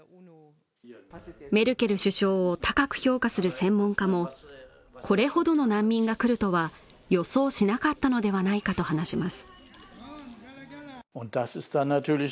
メルケル首相を高く評価する専門家もこれほどの難民が来るとは予想しなかったのではないかと話します。